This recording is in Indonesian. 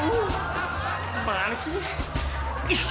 aduh kacau nyentuh